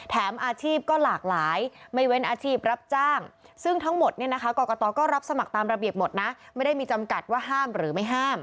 อาชีพก็หลากหลายไม่เว้นอาชีพรับจ้างซึ่งทั้งหมดเนี่ยนะคะกรกตก็รับสมัครตามระเบียบหมดนะไม่ได้มีจำกัดว่าห้ามหรือไม่ห้าม